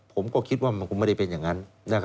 ผมก็คิดว่ามันคงไม่ได้เป็นอย่างนั้น